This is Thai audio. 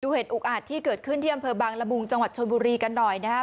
เหตุอุกอาจที่เกิดขึ้นที่อำเภอบางละมุงจังหวัดชนบุรีกันหน่อยนะครับ